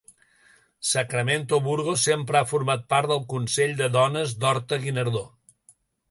Sacramento Burgos sempre ha format part del Consell de Dones d’Horta-Guinardó.